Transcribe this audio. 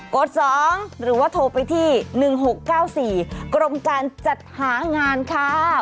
ด๒หรือว่าโทรไปที่๑๖๙๔กรมการจัดหางานค่ะ